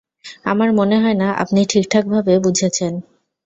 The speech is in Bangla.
আমার মনে হয় না আপনি ঠিকঠাকভাবে বুঝেছেন।